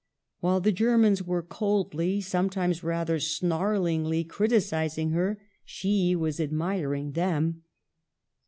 While the Ger mans were coldly, sometimes rather snarlingly, criticizing her, she was admiring them.